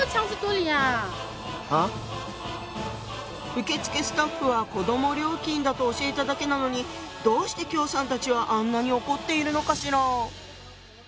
受付スタッフは子ども料金だと教えただけなのにどうして喬さんたちはあんなに怒っているのかしら？